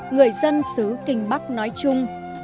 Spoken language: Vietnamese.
người dân xứ kinh bắc nói chung